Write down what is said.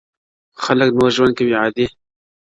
خلک نور ژوند کوي عادي،